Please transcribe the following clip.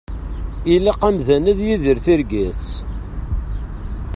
Ilaq amdan ad yidir tirga-s.